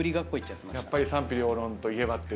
やっぱり「賛否両論」といえば。